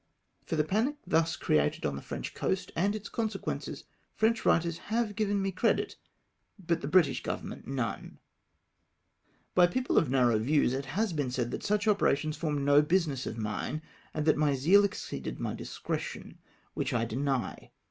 For the panic thus created on the French coast, and its consequences, French writers have given me credit, but the British Govern ment none ! By people of narrow views it has been said that such operations formed no business of mine, and that my zeal exceeded my discretion, which I deny.